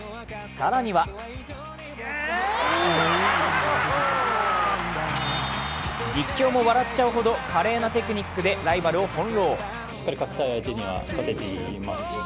更には実況も笑っちゃうほど華麗なテクニックでライバルを翻弄。